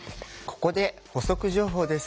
ここで補足情報です。